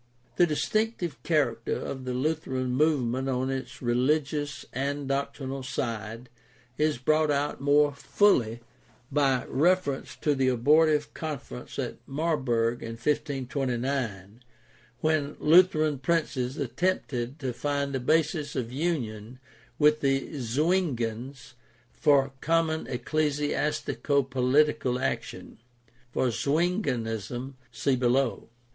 — The distinctive character of the Lutheran movement on its rehgious and doctrinal side is brought out more fuhy by reference to the abortive conference at Marburg in 1529, when Lutheran princes attempted to find a basis of union with the Zwinghans for common ecclesiastico political action (for Zwinghanism see below).